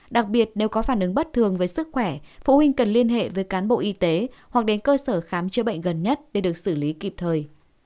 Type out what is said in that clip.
đặc biệt nếu có phản ứng bất thường với sức khỏe phụ huynh cần liên hệ với cán bộ y tế hoặc đến cơ sở khám chữa bệnh gần nhất để được xử lý kịp thời